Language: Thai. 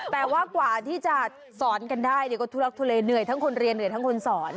แต่ว่ากว่าที่จะสอนกันได้ก็ทุลักทุเลเหนื่อยทั้งคนเรียนเหนื่อยทั้งคนสอน